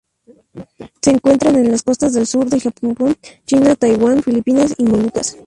Se encuentran en las costas del sur del Japón, China, Taiwán, Filipinas y Molucas.